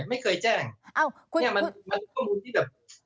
ไม่เคยแจ้งนี่มันความรู้ที่แบบ